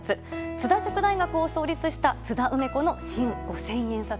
津田塾大学を創立した津田梅子の新五千円札。